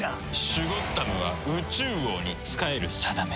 シュゴッダムは宇蟲王に仕える定め。